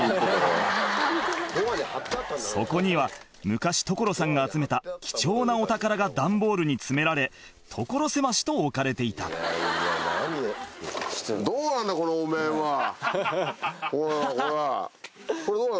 そこには昔所さんが集めた貴重なお宝が段ボールに詰められ所狭しと置かれていたこれほらこれどうなの？